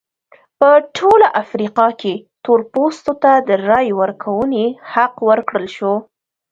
په ټوله افریقا کې تور پوستو ته د رایې ورکونې حق ورکړل شو.